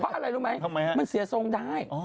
เพราะอะไรรู้ไหมมันเสียทรงได้